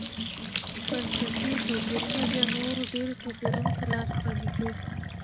بنسټي توپیرونه بیا نورو ډېرو توپیرونو ته لار پرانېزي.